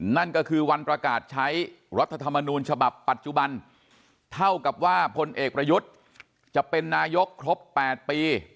นั่นก็คือวันประกาศใช้รัฐธรรมนูญฉบับปัจจุบันเท่ากับว่าพลเอกประยุทธ์จะเป็นนายกครบ๘ปี